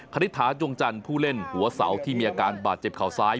คณิตถาจวงจันทร์ผู้เล่นหัวเสาที่มีอาการบาดเจ็บข่าวซ้าย